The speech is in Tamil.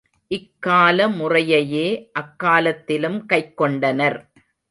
இக்கால முறையையே அக்காலத்திலும் கைக்கொண்டனர்.